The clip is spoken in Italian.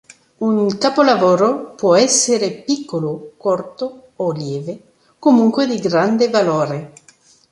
Un capolavoro può essere piccolo, corto o lieve, comunque di grande valore.